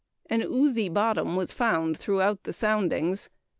An oozy bottom was found throughout the soundings.